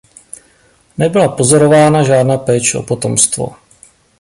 Nebyla pozorována žádná péče o potomstvo.